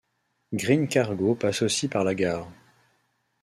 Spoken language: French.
Green Cargo passe aussi par la gare.